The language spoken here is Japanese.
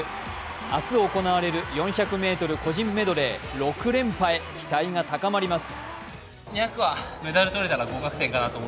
明日行われる４００ｍ個人メドレー６連覇へ、期待が高まります。